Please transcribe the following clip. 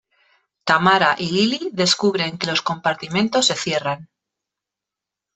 Tamara y Lilly descubren que los compartimientos se cierran.